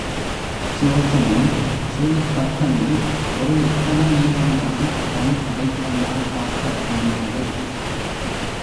சுலோசனை ஸ்ரீதத்தனை ஒரு க்ஷணநேரம்தான் தன் கடைக்கண்ணால் பார்க்கவேண்டியது.